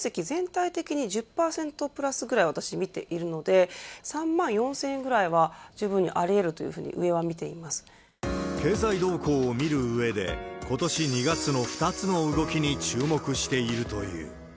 全体的に１０％プラスぐらい私、見ているので、３万４０００円ぐらいは十分にありえるというふうに上は見ていま経済動向を見るうえで、ことし２月の２つの動きに注目しているという。